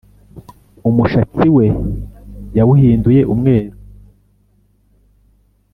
Umushatsi we yawuhinduye umweru